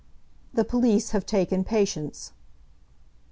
"The police have taken Patience."